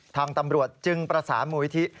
ทางตำรวจจึงประสานมูลิธิ